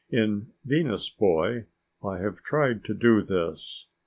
In Venus Boy I have tried to do this.